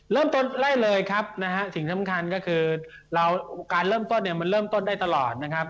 เริ่มต้นไล่เลยครับนะฮะสิ่งสำคัญก็คือเราการเริ่มต้นเนี่ยมันเริ่มต้นได้ตลอดนะครับ